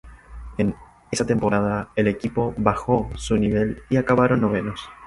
En esa temporada el equipo bajó su nivel y acabaron novenos.